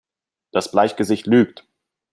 Das Bleichgesicht lügt!